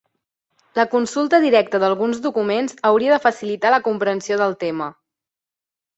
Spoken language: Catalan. La consulta directa d’alguns documents hauria de facilitar la comprensió del tema.